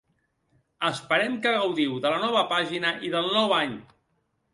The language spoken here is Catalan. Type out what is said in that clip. Esperem que gaudiu de la nova pàgina, i del nou any!